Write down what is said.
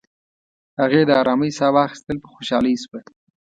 هغې د آرامی ساه واخیستل، په خوشحالۍ شوه.